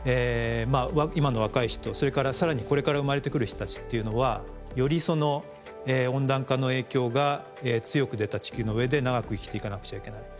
今の若い人それからさらにこれから生まれてくる人たちというのはより温暖化の影響が強く出た地球の上で長く生きていかなくちゃいけない。